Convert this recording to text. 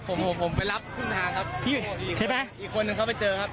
ผมผมไปรับครึ่งทางครับที่ใช่ไหมอีกคนนึงเขาไปเจอครับ